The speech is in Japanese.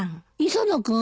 磯野君？